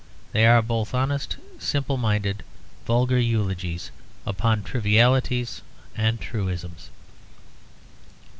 They are both honest, simple minded, vulgar eulogies upon trivialities and truisms.